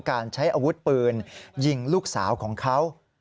การใช้อาวุธปืนยิงลูกสาวของเขา